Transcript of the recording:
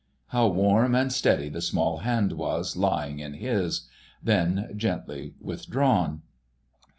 How warm and steady the small hand was, lying in his: then gently withdrawn.